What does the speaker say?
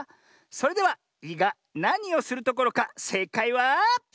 それでは「い」がなにをするところかせいかいは。